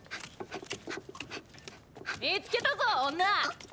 見つけたぞ女ァ！！